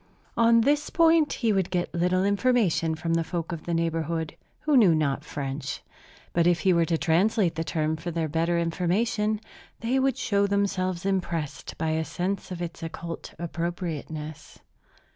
On this point he would get little information from the folk of the neighborhood, who knew not French. But if he were to translate the term for their better information, they would show themselves impressed by a sense of its occult appropriateness.